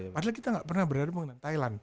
padahal kita nggak pernah berhadapan dengan thailand